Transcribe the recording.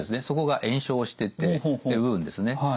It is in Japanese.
そこが炎症しててっていう部分ですね。